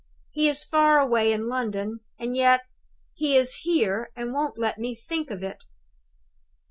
He is far away in London; and yet, he is here and won't let me think of it!